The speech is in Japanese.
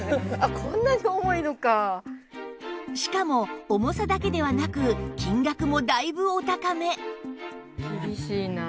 しかも重さだけではなく金額もだいぶお高め